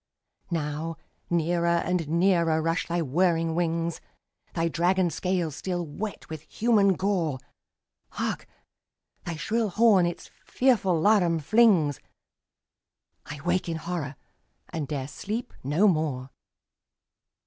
Now near and nearer rush thy whirring wings, Thy dragon scales still wet with human gore. Hark, thy shrill horn its fearful laram flings! —I wake in horror, and 'dare sleep no more!